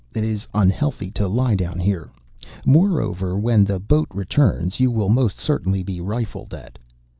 It is unhealthy to lie down here. Moreover, when the boat returns, you will most certainly be rifled at."